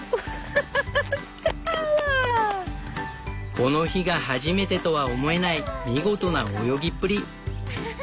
この日が初めてとは思えない見事な泳ぎっぷり。